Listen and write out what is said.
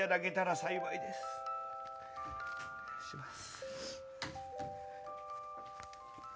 お願いします。